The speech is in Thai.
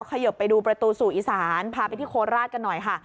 ขยบไปดูประตูสู่อีสานพาไปที่โคราชกันหน่อยค่ะ